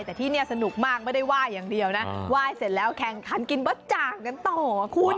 แต่ที่นี่สนุกมากไม่ได้ไหว้อย่างเดียวนะไหว้เสร็จแล้วแข่งขันกินบะจ่างกันต่อคุณ